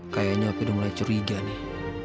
kayaknya aku udah mulai curiga nih